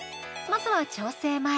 まずは調整前。